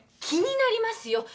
気になりますよ